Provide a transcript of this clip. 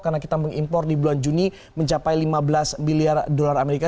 karena kita mengimpor di bulan juni mencapai lima belas miliar dolar amerika